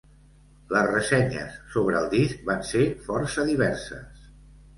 Les ressenyes sobre el disc van ser força diverses.